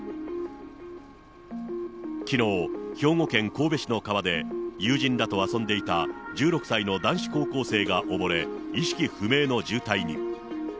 きのう、兵庫県神戸市の川で、友人らと遊んでいた１６歳の男子高校生が溺れ、意識不明の重体に。